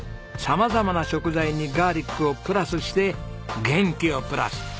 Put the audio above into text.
様々な食材にガーリックをプラスして元気をプラス！